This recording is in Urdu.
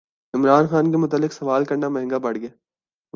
عمران خان کے متعلق سوال کرنا مہنگا پڑگیا